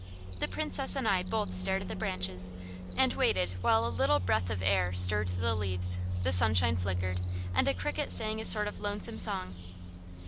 The Princess and I both stared at the branches and waited while a little breath of air stirred the leaves, the sunshine flickered, and a cricket sang a sort of lonesome song.